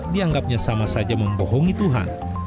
dianggapnya sama saja membohongi tuhan